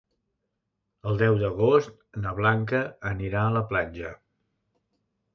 El deu d'agost na Blanca anirà a la platja.